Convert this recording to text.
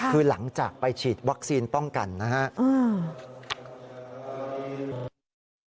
คือหลังจากไปฉีดวัคซีนป้องกันนะครับ